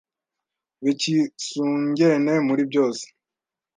bekisungene muri byose,